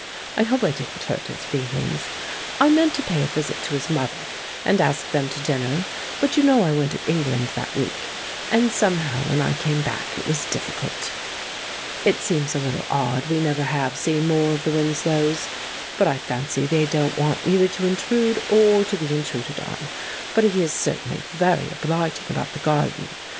I hope I didn't hurt his feelings. I meant to pay a visit to his mother and ask them to dinner, but you know I went to England that week, and somehow when I came back it was difficult. It seems a little odd we never have seen more of the Winslows, but I fancy they don't want either to intrude or to be intruded on. But he is certainly very obliging about the garden.